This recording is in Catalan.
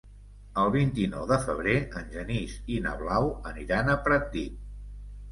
El vint-i-nou de febrer en Genís i na Blau aniran a Pratdip.